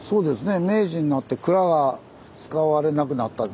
そうですね。